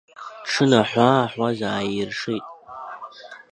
Дшынаҳәааҳәуаз ааиршеит.